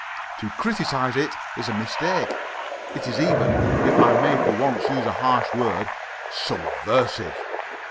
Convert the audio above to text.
To criticize it is a mistake; it is even, if I may for once use a harsh word, subversive.